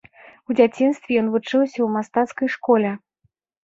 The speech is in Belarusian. У дзяцінстве ён вучыўся ў мастацкай школе.